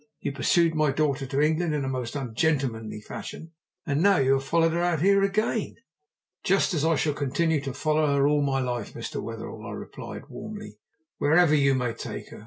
You pursued my daughter to England in a most ungentlemanly fashion, and now you have followed her out here again." "Just as I shall continue to follow her all my life, Mr. Wetherell," I replied warmly, "wherever you may take her.